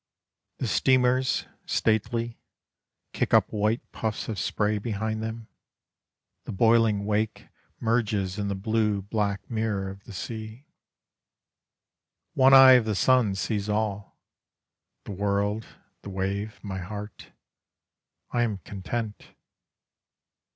The steamers, stately, Kick up white puffs of spray behind them. The boiling wake Merges in the blue black mirror of the sea. One eye of the sun sees all: The world, the wave, my heart. I am content.